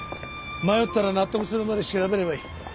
迷ったら納得するまで調べればいい。